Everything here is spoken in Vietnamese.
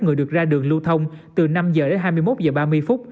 người được ra đường lưu thông từ năm h đến hai mươi một h ba mươi phút